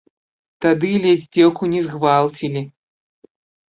Тады ледзь дзеўку не згвалцілі.